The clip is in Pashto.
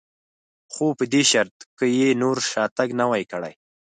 خو په دې شرط که یې نور شاتګ نه و کړی.